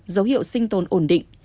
dấu hiệu sinh tồn ổn định